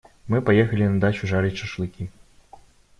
Мы поехали на дачу жарить шашлыки.